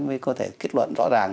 mới có thể kết luận rõ ràng